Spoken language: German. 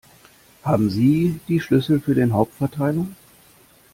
Haben Sie die Schlüssel für den Hauptverteiler?